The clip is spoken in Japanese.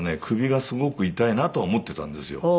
首がすごく痛いなとは思ってたんですよ